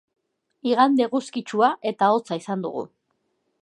Igande eguzkitsua eta hotza izan dugu.